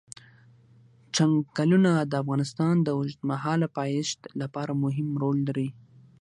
چنګلونه د افغانستان د اوږدمهاله پایښت لپاره مهم رول لري.